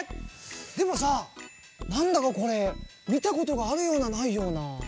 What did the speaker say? でもさあなんだかこれみたことがあるようなないような。